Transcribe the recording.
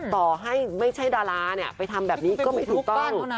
ต่อให้ไม่ใช่ดาราไปทำแบบนี้ก็ไม่ถูกต้อง